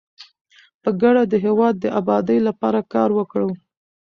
په ګډه د هیواد د ابادۍ لپاره کار وکړو.